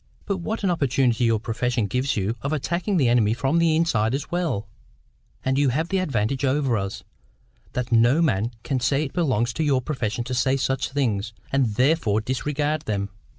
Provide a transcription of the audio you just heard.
But what an opportunity your profession gives you of attacking the enemy from the inside as well! And you have this advantage over us, that no man can say it belongs to your profession to say such things, and THEREFORE disregard them."